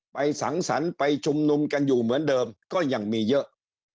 สังสรรค์ไปชุมนุมกันอยู่เหมือนเดิมก็ยังมีเยอะ